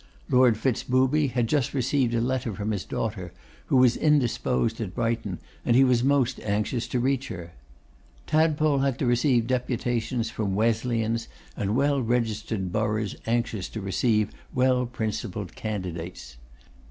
Lord Fitz Booby had just received a letter from his daughter, who was indisposed at Brighton, and he was most anxious to reach her. Tadpole had to receive deputations from Wesleyans, and well registered boroughs anxious to receive well principled candidates.